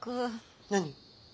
何？